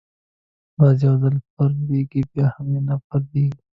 باز یو ځل پرېږدي، بیا یې نه پریږدي